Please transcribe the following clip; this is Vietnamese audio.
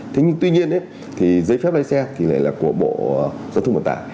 thế nhưng tuy nhiên thì giấy phép lái xe thì lại là của bộ giao thông vận tải